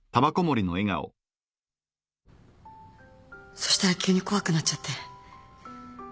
そしたら急に怖くなっちゃって。